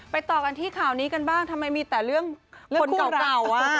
ต่อกันที่ข่าวนี้กันบ้างทำไมมีแต่เรื่องคนเก่า